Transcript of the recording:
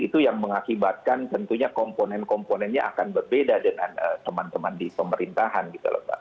itu yang mengakibatkan tentunya komponen komponennya akan berbeda dengan teman teman di pemerintahan gitu loh mbak